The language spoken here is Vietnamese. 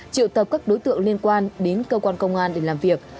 triệu tập các đối tượng liên quan đến cơ quan công an để làm việc